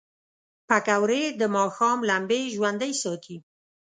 پکورې د ماښام لمبې ژوندۍ ساتي